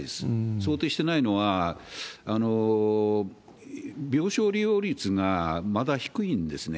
想定してないのは、病床利用率がまだ低いんですね。